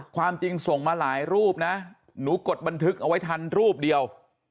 ความจริงส่งมาหลายรูปนะหนูกดบันทึกเอาไว้ทันรูปเดียว